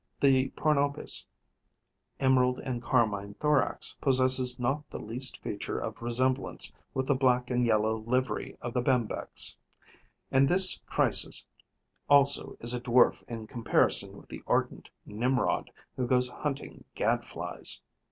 The Parnopes' emerald and carmine thorax possesses not the least feature of resemblance with the black and yellow livery of the Bembex. And this Chrysis also is a dwarf in comparison with the ardent Nimrod who goes hunting Gad flies.